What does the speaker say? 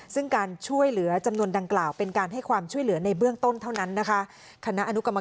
ซึ่งการช่วยเหลือจำนวนดังกล่าวเป็นการให้ความช่วยเหลือในเบื้องต้นเท่านั้นนะคะ